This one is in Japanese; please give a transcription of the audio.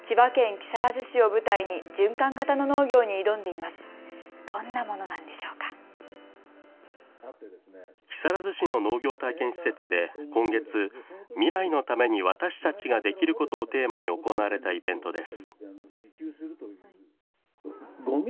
木更津市の農業体験施設で今月、未来のために私たちができることをテーマに行われたイベントです。